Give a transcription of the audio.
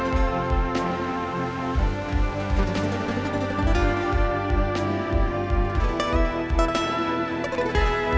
ทุกคนพร้อมแล้วขอเสียงปลุ่มมือต้อนรับ๑๒สาวงามในชุดราตรีได้เลยค่ะ